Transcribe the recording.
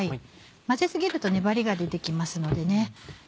混ぜ過ぎると粘りが出て来ますので。